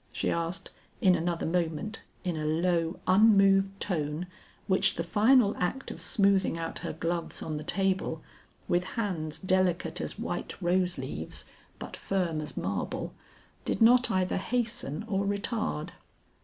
she asked in another moment in a low unmoved tone which the final act of smoothing out her gloves on the table with hands delicate as white rose leaves but firm as marble, did not either hasten or retard.